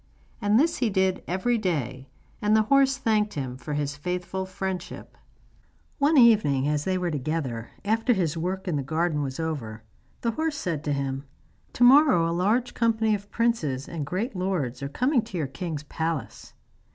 And this he did every day, and the horse thanked him for his faithful friendship. One evening, as they were together, after his work in the garden was over, the horse said to him: 'To morrow a large company of princes and great lords are coming to your king's palace.